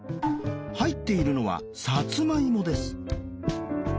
入っているのはさつまいもです。